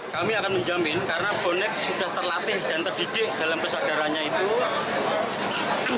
kami akan menjamin karena bonek sudah terlatih dan terdidik dalam kesadarannya itu